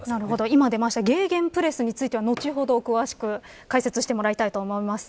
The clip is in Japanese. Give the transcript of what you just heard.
今、出ましたゲーゲンプレスについては、後ほど詳しく解説していただきます。